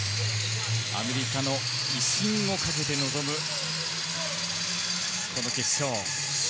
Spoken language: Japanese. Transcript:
アメリカの威信をかけて臨むこの決勝。